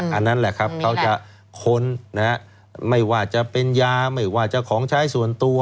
อันนั้นแหละครับเขาจะค้นนะฮะไม่ว่าจะเป็นยาไม่ว่าจะของใช้ส่วนตัว